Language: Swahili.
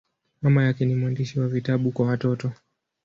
Mama yake ni mwandishi wa vitabu kwa watoto.